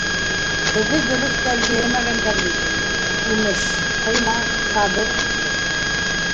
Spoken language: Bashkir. Беҙҙе дөрөҫ тәрбиәләмәгәндәр бит, имеш, тыйнаҡ, сабыр бул.